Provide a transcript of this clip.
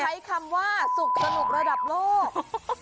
ใช้คำว่าสุขสนุกระดับโลก